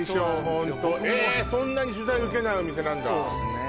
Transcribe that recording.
僕もそんなに取材受けないお店なんだそうですねあ